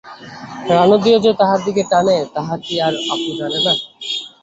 রানুদিও যে তাহার দিকে টানে তাহা কি আর অপু জানে না?